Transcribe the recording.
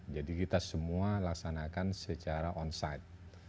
jadi kita semua laksanakan secara on site